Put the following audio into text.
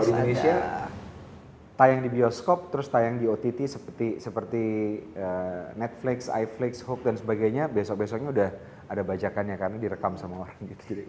di indonesia tayang di bioskop terus tayang di ott seperti netflix i flix hoax dan sebagainya besok besoknya udah ada bajakannya karena direkam sama orang gitu